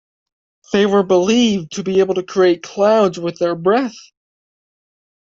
They were believed to be able to create clouds with their breath.